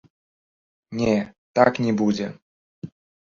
Не, так не будзе.